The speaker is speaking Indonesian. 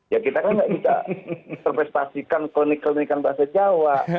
ya kita kan tidak bisa terprestasikan klinik klinikan bahasa jawa